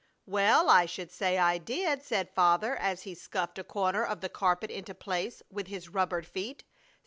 "Well, I should say I did," said Father, as he scuffed a corner of the carpet into place with his rubbered feet.